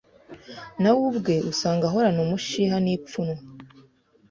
nawe ubwe usanga ahorana umushiha n’ipfunnwe.